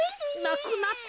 なくなって。